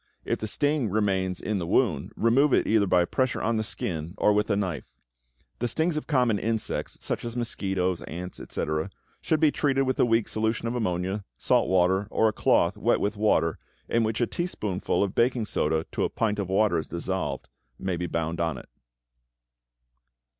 If the sting remains in the wound, remove it either by pressure on the skin or with a knife. The stings of common insects, such as mosquitoes, ants, etc., should be treated with a weak solution of ammonia, salt water, or a cloth wet with water in which a teaspoonful of baking soda to a pint of water is dissolved, may be bound on it.